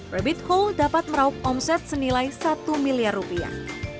rabbit whole dapat meraup omset senilai satu miliar rupiah